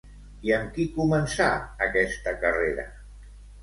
I amb qui començà aquesta carrera?